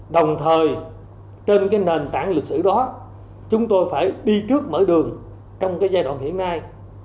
đồng thời trên cái nền tảng lịch sử đó chúng tôi phải đi trước mở đường trong cái giai đoạn hiện nay